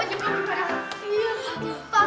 ya pak berjalan aja